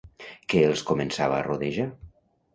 Què els començava a rodejar?